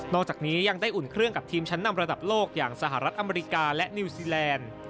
อกจากนี้ยังได้อุ่นเครื่องกับทีมชั้นนำระดับโลกอย่างสหรัฐอเมริกาและนิวซีแลนด์